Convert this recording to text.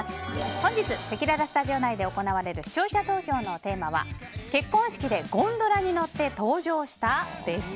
本日、せきららスタジオ内で行われる視聴者投票のテーマは結婚式でゴンドラに乗って登場した？です。